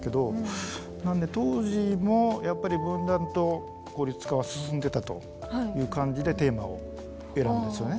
なので当時もやっぱり分断と孤立化は進んでたという感じでテーマを選んだんですよね。